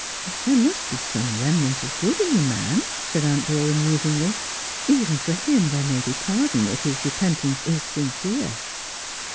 ' There must be some remnant of good in the man,' said Aunt Dora musingly. 'Even for him there may be pardon if his repentance be sincere.'